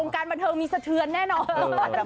การบันเทิงมีสะเทือนแน่นอน